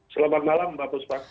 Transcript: selamat malam mbak buspa